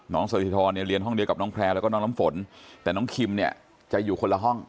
สถิธรเนี่ยเรียนห้องเดียวกับน้องแพร่แล้วก็น้องน้ำฝนแต่น้องคิมเนี่ยจะอยู่คนละห้อง